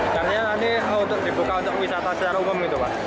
sebenarnya ini untuk dibuka untuk wisata secara umum gitu pak